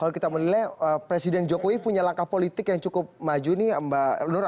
kalau kita menilai presiden jokowi punya langkah politik yang cukup maju nih mbak nura